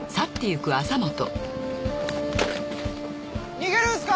逃げるんすか？